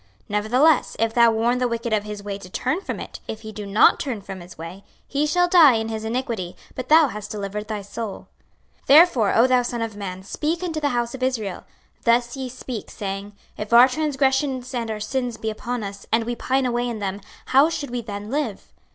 26:033:009 Nevertheless, if thou warn the wicked of his way to turn from it; if he do not turn from his way, he shall die in his iniquity; but thou hast delivered thy soul. 26:033:010 Therefore, O thou son of man, speak unto the house of Israel; Thus ye speak, saying, If our transgressions and our sins be upon us, and we pine away in them, how should we then live?